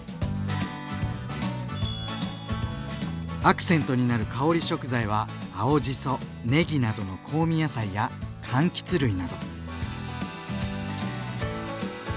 アクセントになる香り食材は青じそねぎなどの香味野菜や柑橘類など。